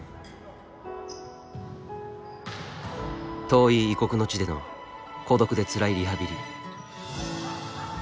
遠い異国の地での孤独でつらいリハビリ。